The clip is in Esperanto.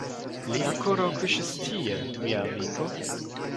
Li ankoraŭ kuŝis tie, mia amiko.